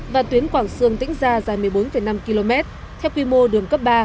và tuyến quảng sương tĩnh gia dài một mươi bốn năm km theo quy mô đường cấp ba